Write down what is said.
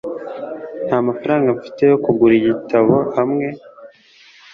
ntamafaranga mfite yo kugura igitabo hamwe